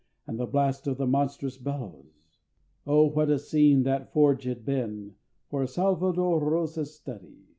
And the blast of the monstrous bellows! Oh, what a scene That Forge had been For Salvator Rosa's study!